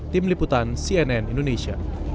tim liputan cnn indonesia